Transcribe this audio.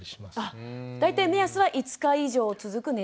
あ大体目安は５日以上続く熱？